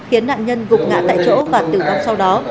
khiến nạn nhân gục ngã tại chỗ và tử vong sau đó